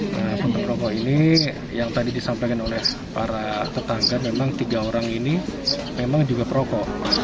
nah potong rokok ini yang tadi disampaikan oleh para tetangga memang tiga orang ini memang juga perokok